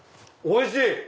おいしい！